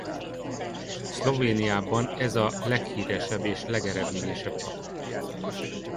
Szlovéniában ez a leghíresebb és legeredményesebb csapat.